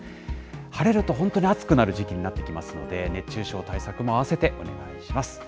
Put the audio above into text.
晴れると本当に暑くなる時期になってきますので、熱中症対策も併せてお願いします。